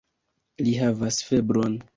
Li havas febron.